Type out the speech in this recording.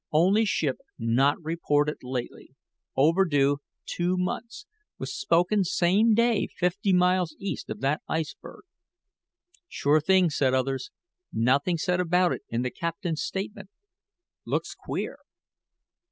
Only ship not reported lately. Overdue two months. Was spoken same day fifty miles east of that iceberg." "Sure thing," said others. "Nothing said about it in the captain's statement looks queer."